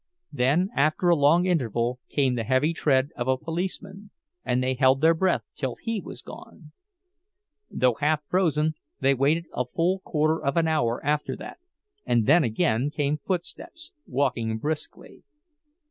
Then after a long interval came the heavy tread of a policeman, and they held their breath till he was gone. Though half frozen, they waited a full quarter of an hour after that—and then again came footsteps, walking briskly.